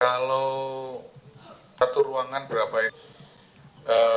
kalau satu ruangan berapa itu